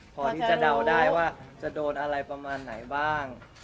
พอที่จะเดาได้ว่าจะโดนอะไรประมาณไหนบ้าง